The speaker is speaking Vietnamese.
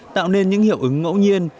tạo nên những hiệu ứng ngẫu nhiên